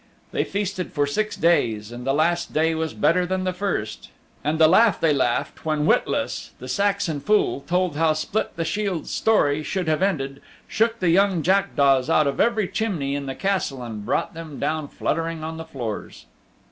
They feasted for six days and the last day was better than the first, and the laugh they laughed when Witless, the Saxon fool, told how Split the Shield's story should have ended, shook the young jackdaws out of every chimney in the Castle and brought them down fluttering on the floors.